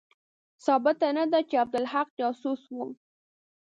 ثابته نه ده چې عبدالحق جاسوس وو.